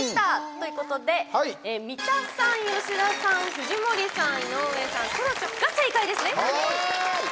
ということで、三田さん吉田さん、藤森さん、井上さんそらちゃんが正解ですね。